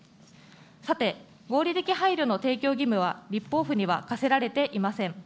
さて、合理的配慮の提供義務は立法府には課せられていません。